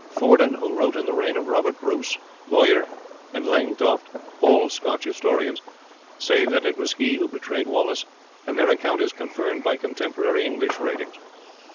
Fordun, who wrote in the reign of Robert Bruce, Bowyer, and Langtoft, all Scotch historians, say that it was he who betrayed Wallace, and their account is confirmed by contemporary English writings.